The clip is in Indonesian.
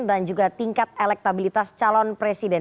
juga tingkat elektabilitas calon presiden